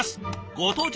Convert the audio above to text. ご当地